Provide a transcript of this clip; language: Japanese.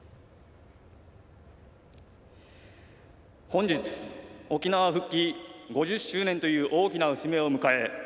本日、沖縄復帰５０周年という大きな節目を迎え。